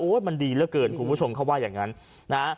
โอ้วมันดีมากเกินคุณผู้ชมเขาว่าอย่างนั้นนะฮะ